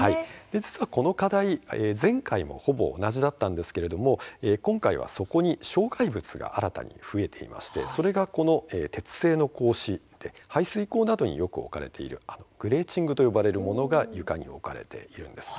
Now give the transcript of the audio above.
実はこの課題前回もほぼ同じだったんですけれども今回はそこに障害物が新たに増えていましてそれがこの鉄製の格子で排水溝などによく置かれているグレーチングと呼ばれるものが床に置かれているんです。